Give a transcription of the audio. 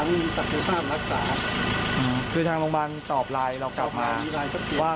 นี้เราแนะนำให้เราไปนู่นนิ่งก็ได้